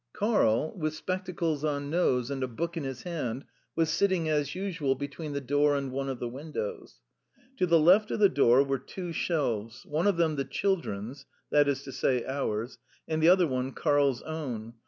Karl, with spectacles on nose and a book in his hand, was sitting, as usual, between the door and one of the windows. To the left of the door were two shelves one of them the children's (that is to say, ours), and the other one Karl's own.